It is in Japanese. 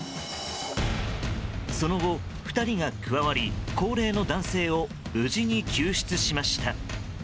その後、２人が加わり高齢の男性を無事に救出しました。